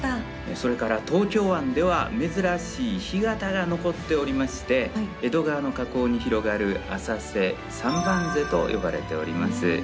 それから東京湾では珍しい干潟が残っておりまして江戸川の河口に広がる浅瀬三番瀬と呼ばれております。